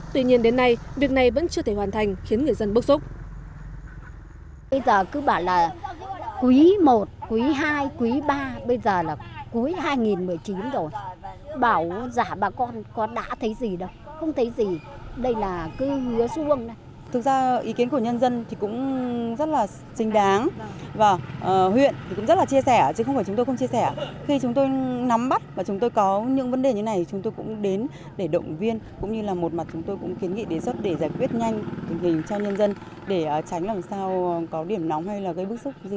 tuy nhiên đến nay việc này vẫn chưa thể hoàn thành khiến người dân bức xúc